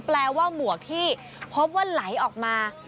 แปลว่าหมวกที่พบว่าไหลออกมา